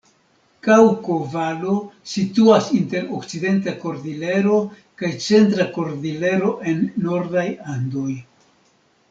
Kaŭko-Valo situas inter Okcidenta Kordilero kaj Centra Kordilero en nordaj Andoj.